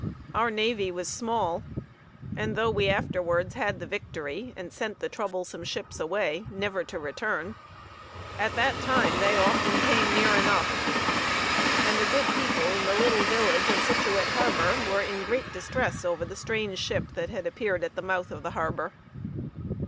Our navy was small, and, though we afterwards had the victory and sent the troublesome ships away, never to return, at that time they often came near enough, and the good people in the little village of Scituate Harbor were in great distress over the strange ship that had appeared at the mouth of the harbor.